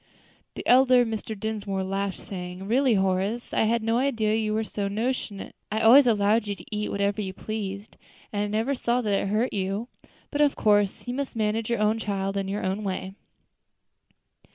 The elder Mr. Dinsmore laughed, saying, "Really, Horace, I had no idea you were so notionate. I always allowed you to eat whatever you pleased, and I never saw that it hurt you. But, of course, you must manage your own child in your own way."